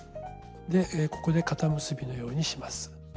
でここで固結びのようにします。